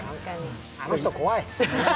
あの人、怖い。